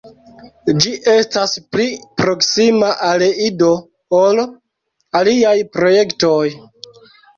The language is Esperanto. Ĝi estas pli proksima al Ido ol aliaj projektoj.